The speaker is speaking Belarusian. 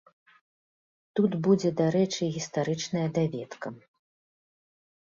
Тут будзе дарэчы гістарычная даведка.